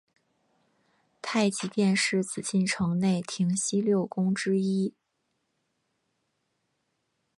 太极殿是紫禁城内廷西六宫之一。